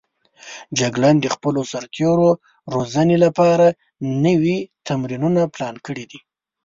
جګړن د خپلو سرتېرو روزنې لپاره نوي تمرینونه پلان کړي دي.